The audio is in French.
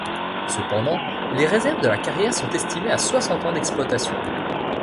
Cependant, les réserves de la carrière sont estimées à soixante ans d'exploitation.